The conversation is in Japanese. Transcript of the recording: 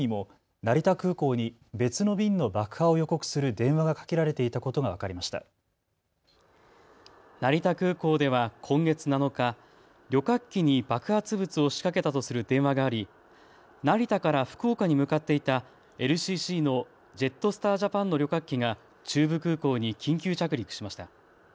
成田空港では今月７日、旅客機に爆発物を仕掛けたとする電話があり成田から福岡に向かっていたＬＣＣのジェットスター・ジャパンの旅客機が中部空港に緊急着陸しました。